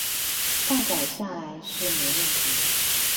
下載下來是沒問題